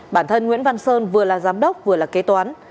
bản thân nguyễn văn sơn vừa là giám đốc vừa là kế toán